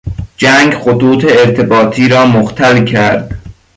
جنگ خطوط ارتباطی را مختل کرد.